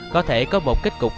có thể có một kết cục đẹp